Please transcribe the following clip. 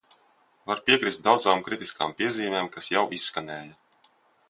Var piekrist daudzām kritiskām piezīmēm, kas jau izskanēja.